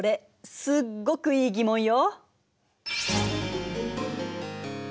すっごくいい疑問よ！